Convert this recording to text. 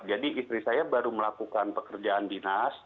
jadi istri saya baru melakukan pekerjaan dinas